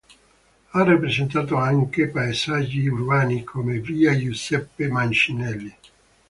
Ha rappresentato anche paesaggi urbani, come "Via Giuseppe Mancinelli".